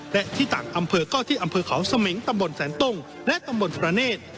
และที่ต่างอำเภอก็ที่อำเภอเขาสมิงตำบลแสนตุ้งและตำบลประเนธ